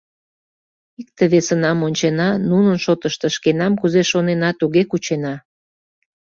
Икте-весынам ончена, нунын шотышто шкенам кузе шонена, туге кучена.